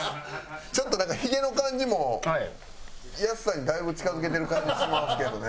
ちょっとなんか髭の感じもヤスさんにだいぶ近付けてる感じしますけどね。